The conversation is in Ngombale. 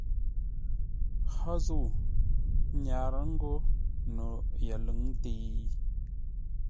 Hó zə̂u nyarə́ ńgó no yəlʉ̂ŋ təi?